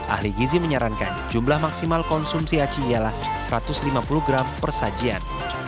ahli gizi menyarankan jumlah maksimal konsumsi aci ialah satu ratus lima puluh gram persajian